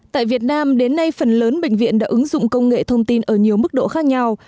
tại việt nam đến nay phần lớn bệnh viện đã ứng dụng công nghệ thông tin ở nhiều mức độ khác nhau